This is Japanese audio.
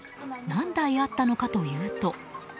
何台あったのかというと。